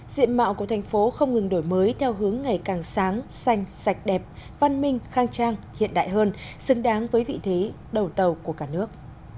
diện mạo của thành phố không ngừng đổi mới theo hướng ngày càng sáng xanh sạch đẹp văn minh khang trang hiện đại hơn xứng đáng với vị thế đầu tàu của cả nước